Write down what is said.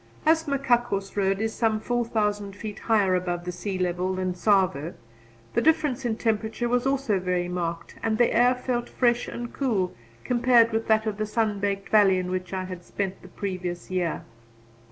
As Machakos Road is some four thousand feet higher above the sea level than Tsavo, the difference in temperature was also very marked, and the air felt fresh and cool compared with that of the sun baked valley in which I had spent the previous year.